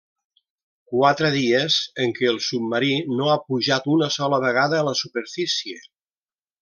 Quatre dies en què el submarí no ha pujat una sola vegada a la superfície.